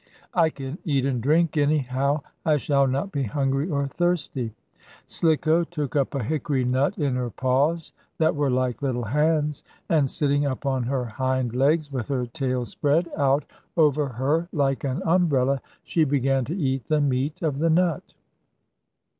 I can eat and drink, anyhow. I shall not be hungry or thirsty." Slicko took up a hickory nut in her paws, that were like little hands, and, sitting up on her hind legs, with her tail spread out over her like an umbrella, she began to eat the meat of the nut.